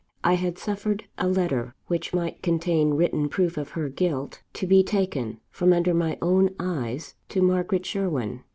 I had suffered a letter, which might contain written proof of her guilt, to be taken, from under my own eyes, to Margaret Sherwin!